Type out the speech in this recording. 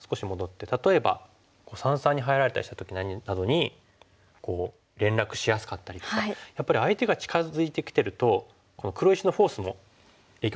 例えば三々に入られたりした時などにこう連絡しやすかったりとかやっぱり相手が近づいてきてるとこの黒石のフォースも影響してきますからね。